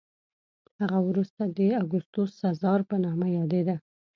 هغه وروسته د اګوستوس سزار په نامه یادېده